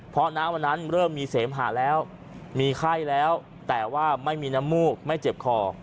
เพราะน้ำวันนั้นเริ่มมีเสมหาแล้วมีไข้แล้วแต่ว่าไม่มีน้ำมูกไม่เจ็บคอ